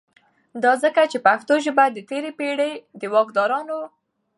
دا ځکه چې پښتو ژبه د تیری پیړۍ دواکدارانو